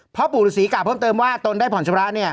เพราะปู่หรือศรีกลับเพิ่มเติมว่าตนได้ผ่อนชำระเนี่ย